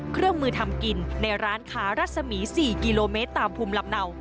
เครื่องมือทำกินในร้านค้ารัศมี๔กิโลเมตรตามภูมิลำเนา